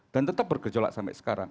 dan tetap bergejolak sampai sekarang